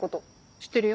知ってるよ。